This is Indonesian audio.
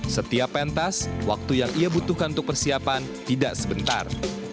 setiap pentas waktu yang ia butuhkan untuk persiapan tidak sebentar